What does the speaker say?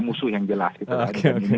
musuh yang jelas gitu